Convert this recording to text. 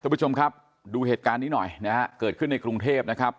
ผู้ชมครับดูเหตุการณ์นี้หน่อยนะฮะเกิดขึ้นในกรุงเทพนะครับ